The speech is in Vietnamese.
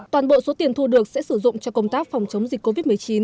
toàn bộ số tiền thu được sẽ sử dụng cho công tác phòng chống dịch covid một mươi chín